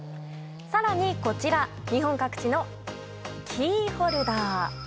更にこちら日本各地のキーホルダー。